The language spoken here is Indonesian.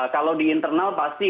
kalau di internal pasti